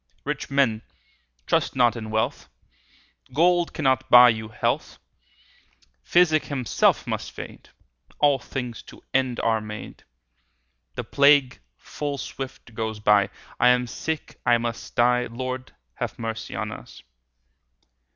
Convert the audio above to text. Rich men, trust not in wealth, Gold cannot buy you health; Physic himself must fade; 10 All things to end are made; The plague full swift goes by; I am sick, I must die— Lord, have mercy on us!